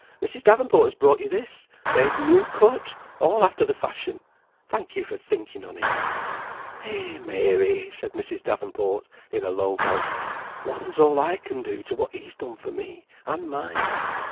Mrs. Davenport has brought you this; made new cut, all after the fashion. Thank you for thinking on him." "Eh, Mary!" said Mrs. Davenport, in a low voice. "Whatten's all I can do, to what he's done for me and mine?